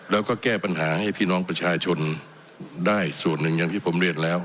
แล้วก็แก้ปัญหาให้พี่น้องประชาชนได้ส่วนหนึ่งอย่างที่ผมเรียนแล้ว